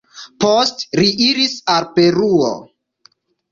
Poste li iris al Peruo.